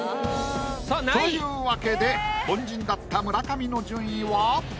というわけで凡人だった村上の順位は。